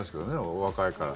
お若いから。